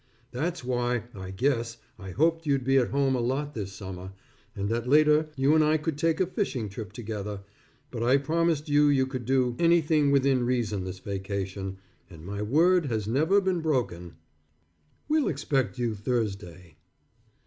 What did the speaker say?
That's why, I guess, I hoped you'd be at home a lot this summer, and that later you and I could take a fishing trip together, but I promised you you could do anything within reason this vacation and my word has never been broken. We'll expect you Thursday.